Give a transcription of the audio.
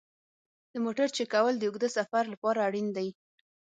د موټر چک کول د اوږده سفر لپاره اړین دي.